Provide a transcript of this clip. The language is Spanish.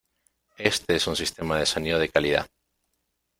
Éste es un sistema de sonido de calidad.